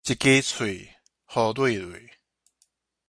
一支喙，糊瘰瘰